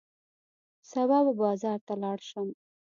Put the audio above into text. سبا به بازار ته لاړ شم.